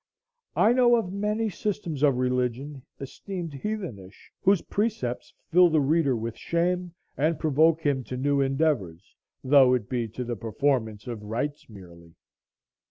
I know of many systems of religion esteemed heathenish whose precepts fill the reader with shame, and provoke him to new endeavors, though it be to the performance of rites merely.